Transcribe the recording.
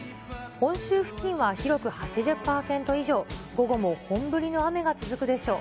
本州付近は広く８０％以上、午後も本降りの雨が続くでしょう。